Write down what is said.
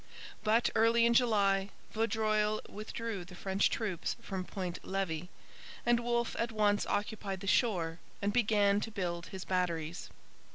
But, early in July, Vaudreuil withdrew the French troops from Point Levis, and Wolfe at once occupied the shore and began to build his batteries.